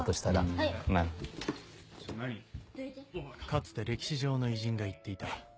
［かつて歴史上の偉人が言っていた］